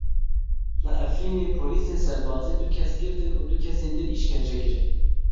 Li Efrînê polîsên serbazî du kes girtin û du kesên din îşkence kirin.